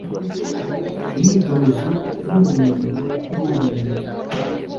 Imyitozo y'ubumenyi n'ubumenyi ngiro